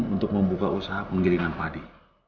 untuk membuka usaha penggilingan padi